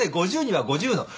５０には５０の。